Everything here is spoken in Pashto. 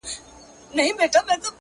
o ما چي د ميني په شال ووهي ويده سمه زه،